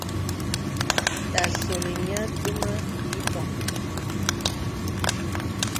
Ta solì nyə̀ dumə ìbɔŋ.